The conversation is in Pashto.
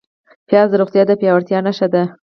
پیاز د روغتیا د پیاوړتیا نښه ده